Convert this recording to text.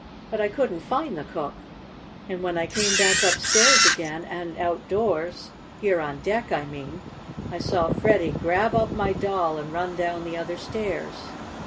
But I couldn't find the cook, and when I came back upstairs again, and outdoors here on deck, I mean I saw Freddie grab up my doll, and run down the other stairs."